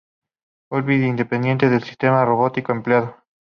Urbi es independiente del sistema robótico empleado.